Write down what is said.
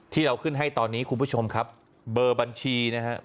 ที่เราขึ้นให้ตอนนี้คุณผู้ชมครับเบอร์บัญชีนะฮะ